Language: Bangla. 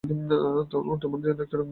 এবং তোমার জন্য একটি রঙিন ঘোমটা বুনবো।